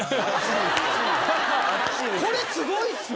これすごいっすわ！